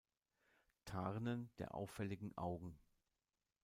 Tarnen der auffälligen Augen.